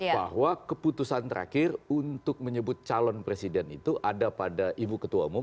bahwa keputusan terakhir untuk menyebut calon presiden itu ada pada ibu ketua umum